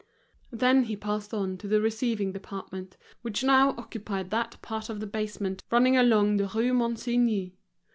Then he passed on to the receiving department, which now occupied that part of the basement running along the Rue Monsigny.